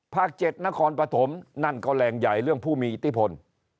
ภาคเจ็ดนครปฐมนั่นก็แรงใหญ่เรื่องผู้มีอิติภล